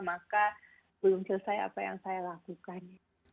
maka belum selesai apa yang saya lakukan